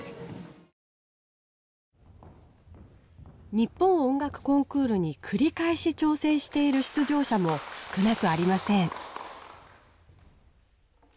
日本音楽コンクールに繰り返し挑戦している出場者も少なくありません。